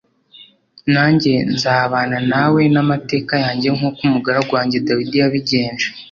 Nanjye nzabana nawe n’amateka yanjye nk’uko umugaragu wanjye Dawidi yabigenje